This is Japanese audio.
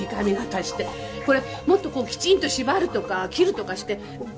これもっとこうきちんと縛るとか切るとかしてパッとこう。